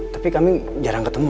tapi kami jarang ketemu